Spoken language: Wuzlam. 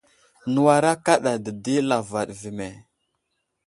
Nəwara kaɗa dədi lavaɗ ve me.